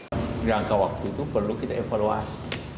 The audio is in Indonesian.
di rangka waktu itu perlu kita evaluasi